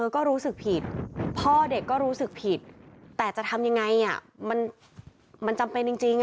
ขอบคุณครับ